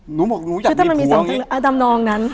หนูบอกว่าหนูอยากมีผัว